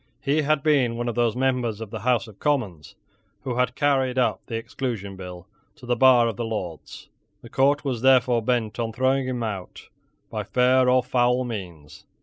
He had been one of those members of the House of Commons who had carried up the Exclusion Bill to the bar of the Lords. The court was therefore bent on throwing him out by fair or foul means.